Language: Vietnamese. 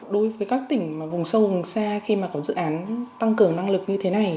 đối với các tỉnh mà vùng sâu vùng xa khi mà có dự án tăng cường năng lực như thế này